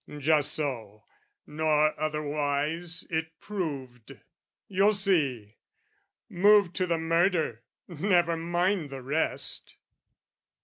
Just so, nor otherwise it proved you'll see: Move to the murder, never mind the rest!